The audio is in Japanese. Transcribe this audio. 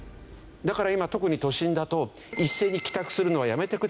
だから今特に都心だと一斉に帰宅するのはやめてくださいと。